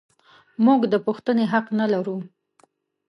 موږ د پوښتنې حق نه لرو.